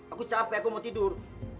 aku capek aku mau tidur